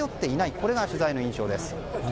これが取材の印象です。